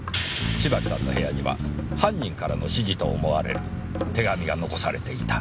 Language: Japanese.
芝木さんの部屋には犯人からの指示と思われる手紙が残されていた。